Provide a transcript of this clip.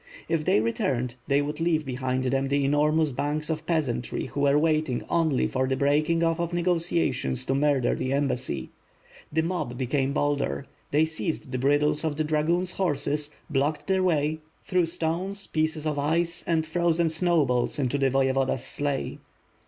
If they returned, they would leave behind them the enormous bands of peas antry who were waiting only for the breaking off of negotia tions to murder the embassy. The mob became bolder; they seized the bridles of the dragoons' horses, blocked their way, threw stones, pieces of ice, and frozen snow balls into the Voyevoda's sleigh.